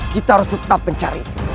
kita harus tetap mencari